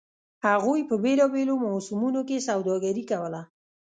هغوی په بېلابېلو موسمونو کې سوداګري کوله.